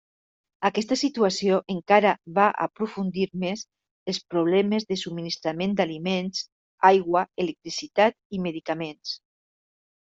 Aquesta situació encara va aprofundir més els problemes de subministrament d'aliments, aigua, electricitat i medicaments.